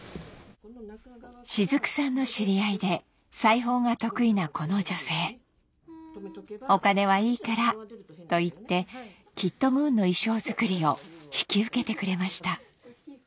雫さんの知り合いで裁縫が得意なこの女性「お金はいいから」と言ってキットムーンの衣装作りを引き受けてくれました